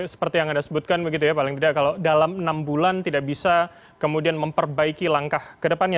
seperti yang anda sebutkan begitu ya paling tidak kalau dalam enam bulan tidak bisa kemudian memperbaiki langkah ke depannya